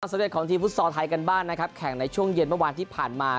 สำเร็จของทีมฟุตซอลไทยกันบ้างนะครับแข่งในช่วงเย็นเมื่อวานที่ผ่านมา